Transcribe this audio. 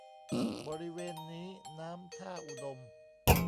บริเวณนี้น้ำท่าอุดม